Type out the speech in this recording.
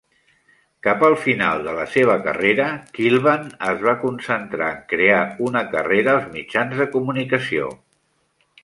Cap al final de la seva carrera Kilbane es va concentrar en crear una carrera als mitjans de comunicació.